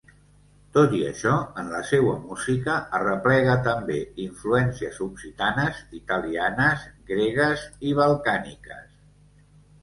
Tot i això, en la seua música arreplega també influències occitanes, italianes, gregues i balcàniques.